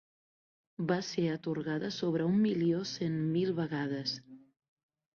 Va ser atorgada sobre un milió cent mil vegades.